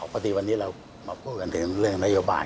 ประตูวันนี้เรามันพูดกันถึงเรื่องนโยบาท